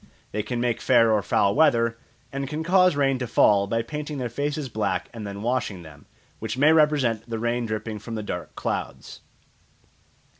They can make fair or foul weather, and can cause rain to fall by painting their faces black and then washing them, which may represent the rain dripping from the dark clouds.